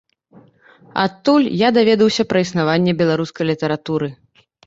Адтуль я даведаўся пра існаванне беларускай літаратуры.